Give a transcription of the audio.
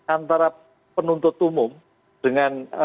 antara penuntut umum dengan